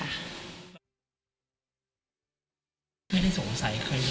ไม่ได้สงสัยเคยเลยใช่มั้ย